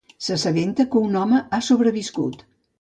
S'assabenta que un home ha sobreviscut.